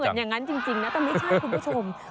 อย่างนั้นจริงนะแต่ไม่ใช่คุณผู้ชม